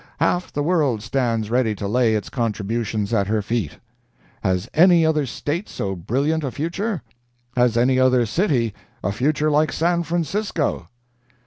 Half the world stands ready to lay its contributions at her feet! Has any other State so brilliant a future? Has any other city a future like San Francisco?